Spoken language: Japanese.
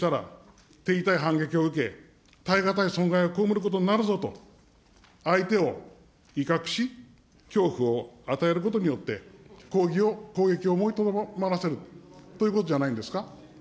それはもし日本を攻撃したら、手痛い反撃を受け、耐え難い損害を被ることになるぞと相手を威嚇し、恐怖を与えることによって、攻撃を思いとどまらせるということじゃないんですか。